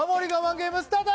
ゲームスタート